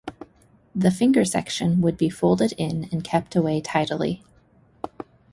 The finger section would be folded in and kept away tidily.